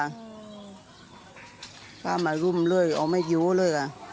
ครั้งเรามันรุมเลยเอามาเอาอยุ้เลยค่ะ